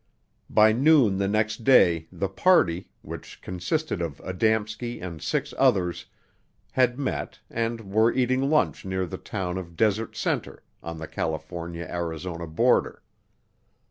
By noon the next day the party, which consisted of Adamski and six others, had met and were eating lunch near the town of Desert Center on the California Arizona border.